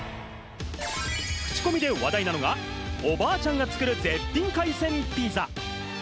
クチコミで話題なのが、おばあちゃんが作る絶品海鮮ピザ！